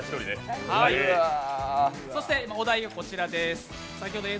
そしてお題はこちらです。